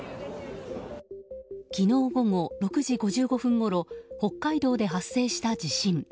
昨日午後６時５５分ごろ北海道で発生した地震。